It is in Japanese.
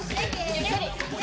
ゆっくり。